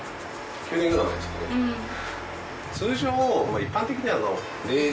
通常一般的には冷蔵庫